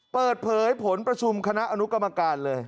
เปิดเผยผลประชุมคณะอนุกรรมการเลย